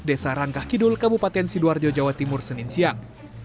desa rangka kidul kabupaten sidoarjo jawa timur senin siang